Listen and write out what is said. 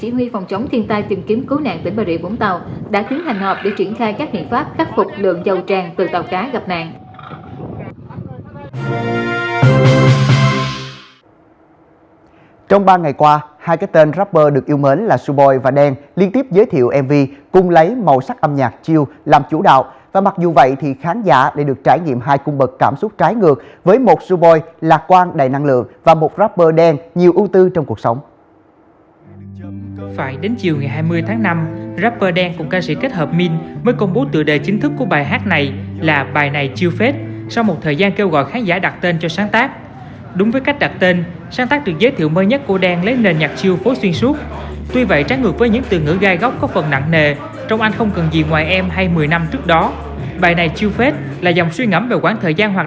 đồng thời bộ chỉ huy bộ đội biên phòng bà rịa vũng tàu chỉ đạo các thân vị trên địa bàn tăng cường tuần tra tìm kiếm cứu nạn của bộ đội biên phòng bà rịa vũng tàu chỉ đạo các thân vị trên địa bàn tăng cường tuần tra tìm phục vụ công tác điều tra làm rõ của việc